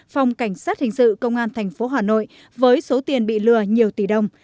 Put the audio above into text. phòng cảnh sát hình sự công an thành phố hà nội với số tiền bị lừa nhiều tỷ đồng